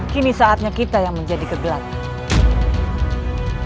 kini saatnya kita yang menjadi kegelapan